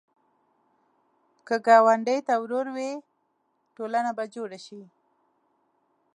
که ګاونډي ته ورور وې، ټولنه به جوړه شي